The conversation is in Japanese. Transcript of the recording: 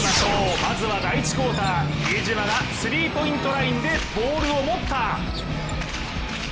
まずは、第３クォーター比江島がスリーポイントラインでボールを持った。